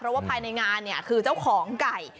เพราะว่าภายในงานเนี่ยคือเจ้าของไก่